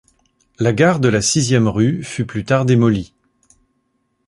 La gare de la Sixième rue fut plus tard démolie.